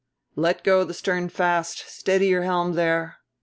"Let go the stern fast. Steady your helm there."